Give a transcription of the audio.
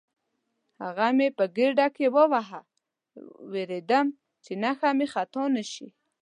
هغه مې په ګېډه کې وواهه، وېرېدم چې نښه مې خطا نه شي.